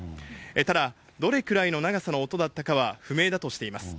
ただ、どれくらいの長さの音だったかは不明だとしています。